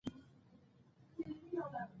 په افغانستان کې د ژبې منابع شته.